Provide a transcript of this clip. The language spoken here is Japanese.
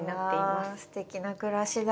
うわすてきな暮らしだ。